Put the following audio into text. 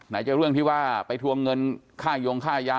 จะเรื่องที่ว่าไปทวงเงินค่ายงค่ายา